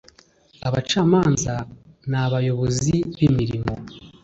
abacamanza n'abayobozi b'imirimo